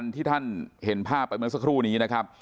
ที่ท่านเห็นภาพเหมือนสักครู่นี้